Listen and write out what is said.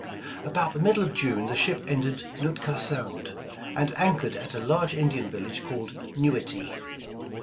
About the middle of June the ship entered Nootka Sound, and anchored at a large Indian village called Newity.